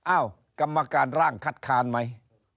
อ้าวกรรมการร่างคัดคานไหม